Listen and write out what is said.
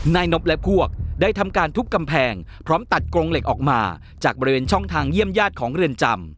นายนบและพวกได้ทำการทุบกำแพงพร้อมตัดกรงเหล็กออกมาจากบริเวณช่องทางเยี่ยมญาติของเรือนจำ